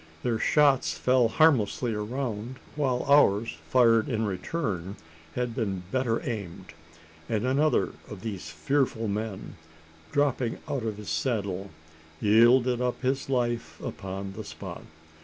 Their shots fell harmlessly around; while ours, fired in return, had been better aimed; and another of these fearful men, dropping out of his saddle, yielded up his life upon the spot.